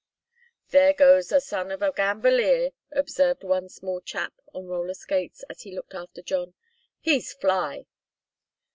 "There goes a son of a gamboleer," observed one small chap on roller skates, as he looked after John. "He's fly."